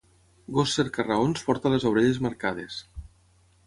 Gos cerca-raons porta les orelles marcades.